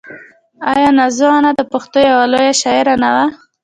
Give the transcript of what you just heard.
آیا نازو انا د پښتنو یوه لویه شاعره نه وه؟